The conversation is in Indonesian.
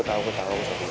iya aku tau aku tau